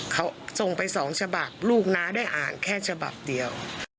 เขาส่งไป๒ฉบับลูกน้าได้อ่านแค่ฉบับเดียว